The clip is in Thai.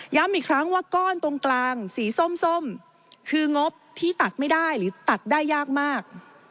อีกครั้งว่าก้อนตรงกลางสีส้มคืองบที่ตัดไม่ได้หรือตัดได้ยากมาก